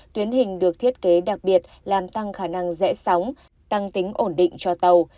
tuyến hình được thiết kế đặc biệt làm tăng khả năng rẽ sóng tăng tính ổn định cho tàu